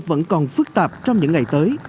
vẫn còn phức tạp trong những ngày tới